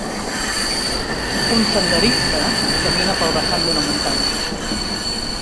Un senderista camina pel vessant d'una muntanya.